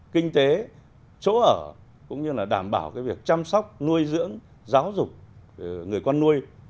kinh tế chỗ ở cũng như là đảm bảo việc chăm sóc nuôi dưỡng giáo dục người con nuôi